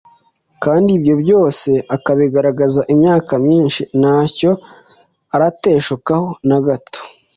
Kandi Ibyo byose akabigaragaza imyaka myinshi ntacyo arateshukaho na gato.